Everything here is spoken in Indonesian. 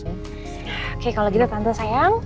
oke kalau gitu tante sayang